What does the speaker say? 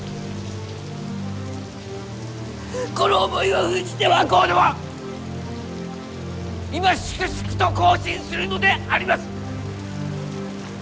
この思いを封じて若人は今粛々と行進するのであります！